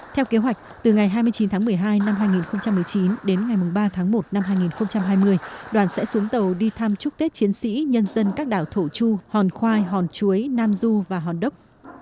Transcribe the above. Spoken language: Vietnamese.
theo kế hoạch từ ngày hai mươi chín tháng một mươi hai năm hai nghìn một mươi chín đến ngày ba tháng một năm hai nghìn hai mươi đoàn sẽ xuống tàu đi thăm chúc tết chiến sĩ nhân dân các đảo thổ chu hòn khoai hòn chuối nam du và hòn đốc